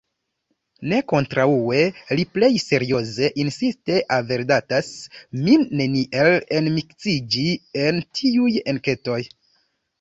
Ne, kontraŭe, li plej serioze, insiste avertadas min, neniel enmiksiĝi en tiuj enketoj.